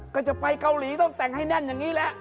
ก็จะไปเกาหลีต้องแต่งให้แน่นอย่างนี้แหละ